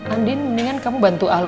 andin mendingan kamu bantu al